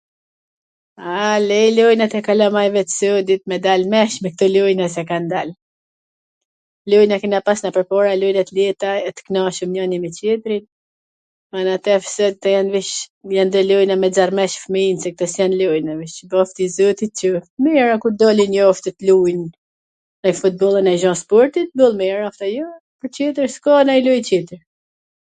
a, leji lojnat e kalamajve t sodit, me dal mensh me kto lojna si kan dal, lojna kena pas ne pwrpara, lojna t leta e t knaqun njwni me tjetrin, lojna tesh jan veC, jan do lojna ... me nxerr mensh fmijn se kto s jan lojna .. zoti t qoft. Mir a kur dalin jasht e t lujn, ndonj futboll a ndonj gja sportit bollmir ase jo, po tjetwr s ka nanj loj tjetwr.